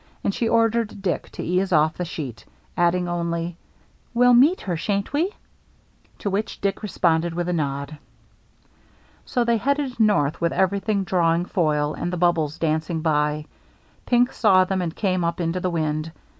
And she ordered Dick to ease off the sheet, adding only, " We'll meet her, shan't we ?" To which Dick responded with a nod. So they headed north, with everything draw ing foil and the bubbles dancing by. Pink saw them and came up into the wind.